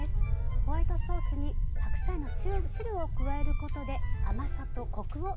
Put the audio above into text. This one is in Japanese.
ホワイトソースに白菜の汁を加えることで甘さとコクを楽しめることができます。